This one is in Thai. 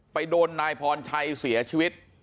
ไปโดนนายพรชัยเสียชีวิต